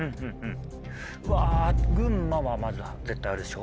うわ群馬はまず絶対あるでしょ。